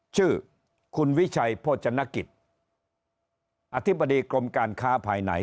ชื่อคุณวิชัยโภชนกิจอธิบดีกรมการค้าภายใน